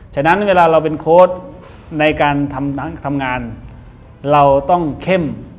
ฉะนั้นเวลาเราเป็นโค้ดในการทำงานเราต้องเข้ม